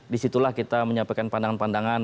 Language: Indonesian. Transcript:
disitulah kita menyampaikan pandangan pandangan